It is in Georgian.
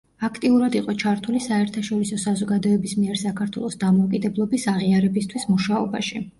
აქტიურად იყო ჩართული საერთაშორისო საზოგადოების მიერ საქართველოს დამოუკიდებლობის აღიარებისთვის მუშაობაში.